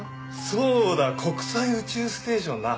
そうだ国際宇宙ステーションな。